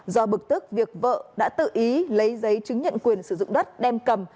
do bực tức việc vợ đã tự ý lấy giấy chứng nhận quyền sử dụng đất đem cầm